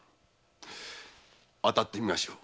当たってみましょう。